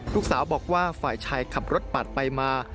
ลูกสาวบอกว่าฝ่ายชายขับรถปาดไปมา